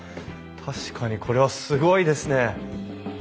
確かにこれはすごいですね！